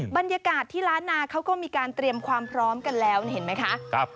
บรรยากาศที่ล้านนาเขาก็มีการเตรียมความพร้อมกันแล้วเห็นไหมคะ